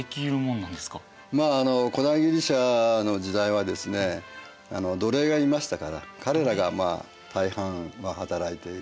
まああの古代ギリシアの時代はですね奴隷がいましたから彼らが大半働いていると。